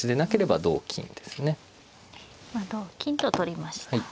今同金と取りました。